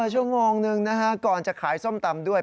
ชั่วโมงนึงนะฮะก่อนจะขายส้มตำด้วย